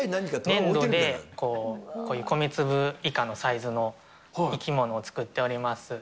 粘土でこういう米粒以下のサイズの生き物を作っております。